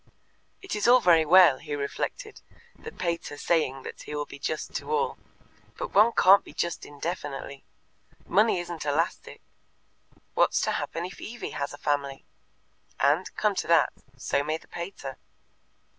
"It is all very well," he reflected, "the pater saying that he will be just to all, but one can't be just indefinitely. Money isn't elastic. What's to happen if Evie has a family? And, come to that, so may the pater.